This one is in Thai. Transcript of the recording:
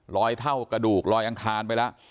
ลอยเท่ากระดูกลอยอังคารไปล่ะ